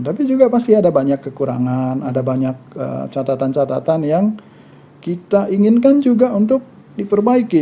tapi juga pasti ada banyak kekurangan ada banyak catatan catatan yang kita inginkan juga untuk diperbaiki